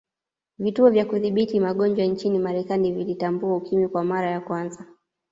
vituo vya Kudhibiti magonjwa nchini marekani vilitambua ukimwi kwa mara ya kwanza